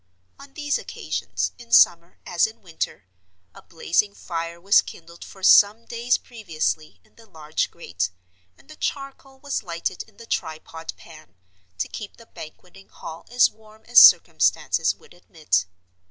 On these occasions, in summer as in winter, a blazing fire was kindled for some days previously in the large grate, and the charcoal was lighted in the tripod pan, to keep the Banqueting Hall as warm as circumstances would admit.